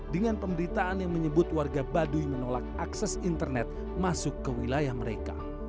dengan pemberitaan yang menyebut warga baduy menolak akses internet masuk ke wilayah mereka